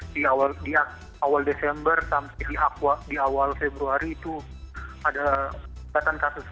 di awal desember sampai di awal februari itu ada